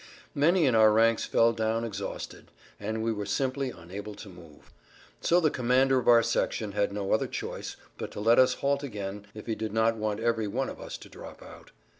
Many in our ranks fell down exhausted, and we were simply unable to move. So the commander of our section had no other choice but to let us halt again if he did not want every one of us to drop out.